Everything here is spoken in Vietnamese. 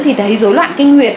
thì thấy rối loạn kinh nguyệt